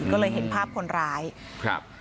ก็เลยเห็นภาพคนร้ายครับ